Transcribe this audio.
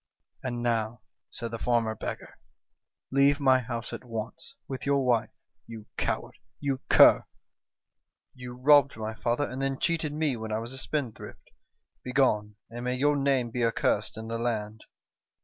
"'And now,' said the former beggar, 'leave my house at once, with your wife you coward ! you cur ! You robbed my father, and then cheated me when I was a spendthrift. Begone, and may your name be accursed in the land